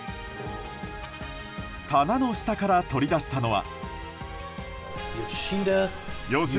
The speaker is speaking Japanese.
棚の下から取り出したのは。